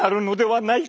はい。